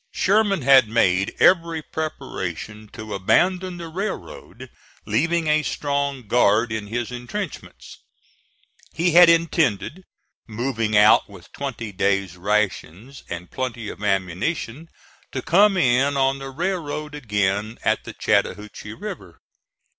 Sherman had made every preparation to abandon the railroad, leaving a strong guard in his intrenchments. He had intended, moving out with twenty days' rations and plenty of ammunition, to come in on the railroad again at the Chattahoochee River.